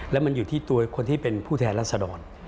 แล้วมันอยู่ที่ตัวคนที่เป็นผู้แทนรัศดร